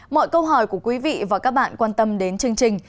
mọi câu hỏi của quý vị và các bạn quan tâm đến chương trình